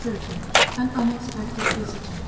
AN UNEXPECTED VISITOR.